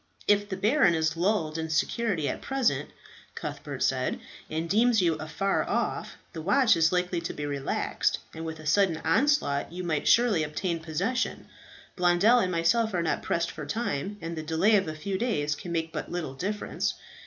"If the baron is lulled in security at present," Cuthbert said, "and deems you afar off, the watch is likely to be relaxed, and with a sudden onslaught you might surely obtain possession. Blondel and myself are not pressed for time, and the delay of a few days can make but little difference.